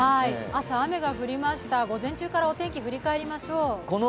朝、雨が降りました、午前中からお天気振り返りましょう。